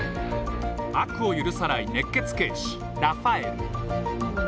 悪を許さない熱血警視ラファエル。